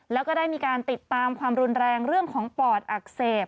แล้วก็ได้มีการติดตามความรุนแรงเรื่องของปอดอักเสบ